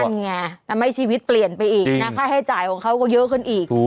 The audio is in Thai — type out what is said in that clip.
ไงทำให้ชีวิตเปลี่ยนไปอีกนะค่าใช้จ่ายของเขาก็เยอะขึ้นอีก